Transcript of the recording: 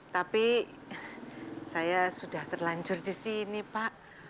tapi saya sudah terlanjur disini pak